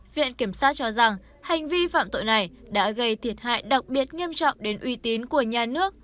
viện kiểm sát cho rằng hành vi phạm tội này đã gây thiệt hại đặc biệt nghiêm trọng đến uy tín của nhà nước